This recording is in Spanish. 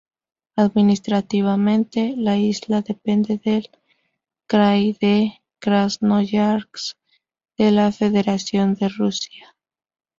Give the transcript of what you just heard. Administrativamente, la isla depende del krai de Krasnoyarsk de la Federación de Rusia.